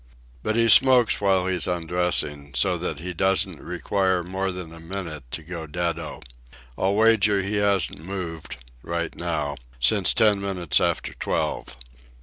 But he smokes while he's undressing, so that he doesn't require more than a minute to go deado. I'll wager he hasn't moved, right now, since ten minutes after twelve."